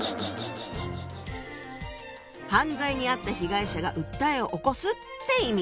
「犯罪に遭った被害者が訴えを起こす」って意味。